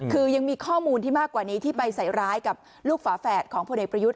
คือยังมีข้อมูลที่มากกว่านี้ที่ไปใส่ร้ายกับลูกฝาแฝดของพลเอกประยุทธ์